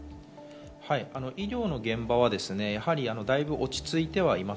医療の現場はだいぶ落ち着いてはいます。